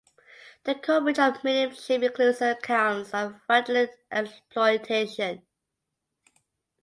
The coverage of mediumship includes accounts of fraudulent exploitation.